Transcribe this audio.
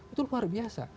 itu luar biasa